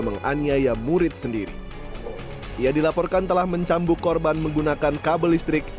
menganiaya murid sendiri ia dilaporkan telah mencambuk korban menggunakan kabel listrik